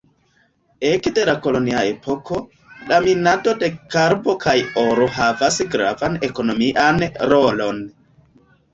Ekde la kolonia epoko, la minado de karbo kaj oro havas gravan ekonomian rolon.